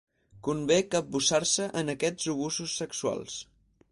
Convé capbussar-se en aquests obusos sexuals.